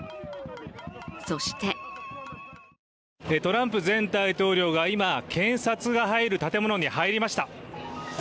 そしてトランプ前大統領が今、検察が入る建物に入りました。